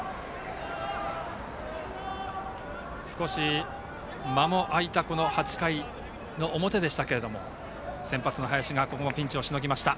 少し間も空いた８回表でしたけれども先発の林がここもピンチをしのぎました。